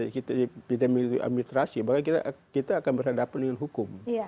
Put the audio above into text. kita memiliki administrasi bahwa kita akan berhadapan dengan hukum